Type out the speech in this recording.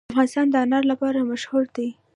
افغانستان د انار لپاره مشهور دی.